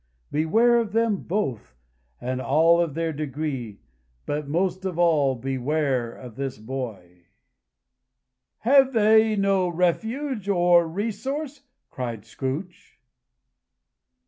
Beware of them both, and all of their degree, but most of all beware of this boy." "Have they no refuge or resource?" cried Scrooge.